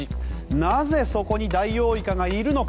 なぜ、そこにダイオウイカがいるのか。